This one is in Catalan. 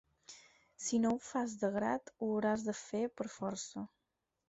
Si no ho fas de grat, ho hauràs de fer per força.